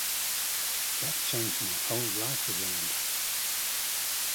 That changed my whole life around.